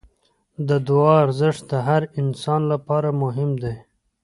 د دعا ارزښت د هر انسان لپاره مهم دی.